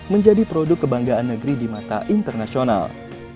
menjadi produk kebanggaan negeri di mata internasional